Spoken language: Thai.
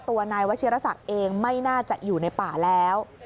ตัวนายวชิรษักเองไม่น่าจะอยู่ในป่าแล้ว